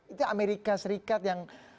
itu amerika serikat yang